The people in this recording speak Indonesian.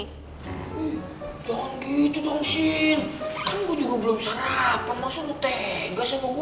eh jangan gitu dong sin kan gue juga belum sarapan masa lo tegas sama gue